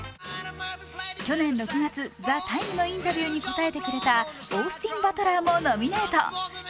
去年６月、「ＴＨＥＴＩＭＥ，」のインタビューに答えてくれたオースティン・バトラーもノミネート。